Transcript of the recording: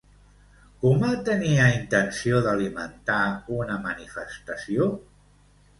Coma tenia intenció d'alimentar una manifestació?